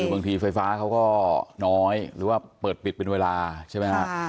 บางทีไฟฟ้าเขาก็น้อยหรือว่าเปิดปิดเป็นเวลาใช่ไหมครับ